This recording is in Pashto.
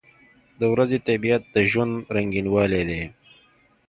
• د ورځې طبیعت د ژوند رنګینوالی دی.